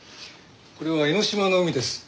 これは江の島の海です。